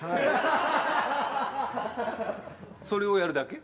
それをやるだけ？